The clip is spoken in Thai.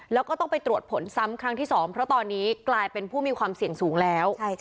แล้วก็ต้องไปตรวจผลซ้ำครั้งที่๒เพราะตอนนี้กลายเป็นผู้มีความเสี่ยงสูงแล้ว